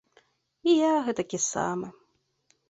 І я гэтакі самы.